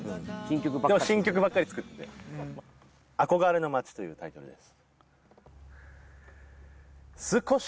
でも新曲ばっかり作ってる。というタイトルです。